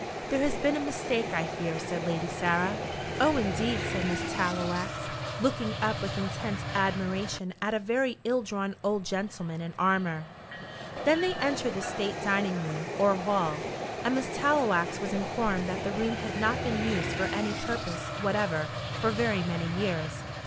"There has been a mistake, I fear," said Lady Sarah. "Oh, indeed," said Miss Tallowax, looking up with intense admiration at a very ill drawn old gentleman in armour. Then they entered the state dining room or hall, and Miss Tallowax was informed that the room had not been used for any purpose whatever for very many years.